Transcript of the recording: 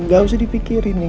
udah gak usah dipikirin